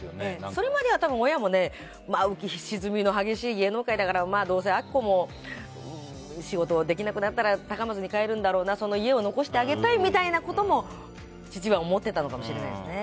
それまでは親も浮き沈みの激しい芸能界だからどうせ明子も仕事、できなくなったら高松に帰るんだろうなその家を残してあげたいみたいなことも、父は思っていたのかもしれないですね。